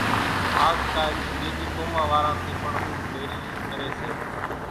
آز ڪال ٻيزِي قومان واران ٿِي پڻ اُوٺِ ٻيش ڪريَ سي۔